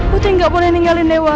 putri gak boleh ninggalin dewa